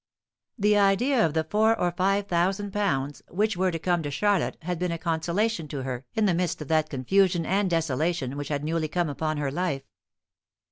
The idea of the four or five thousand pounds which were to come to Charlotte had been a consolation to her in the midst of that confusion and desolation which had newly come upon her life.